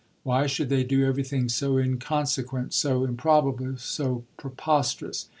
Why should they do everything so inconsequent, so improbable, so preposterous?